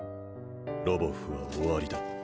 ロヴォフは終わりだ。